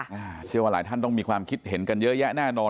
เชื่อว่าหลายท่านต้องมีความคิดเห็นกันเยอะแยะแน่นอน